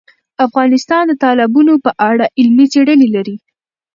افغانستان د تالابونه په اړه علمي څېړنې لري.